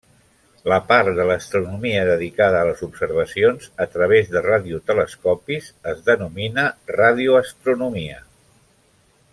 La part de l'astronomia dedicada a les observacions a través de radiotelescopis es denomina radioastronomia.